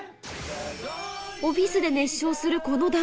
オフィスで熱唱する気になる。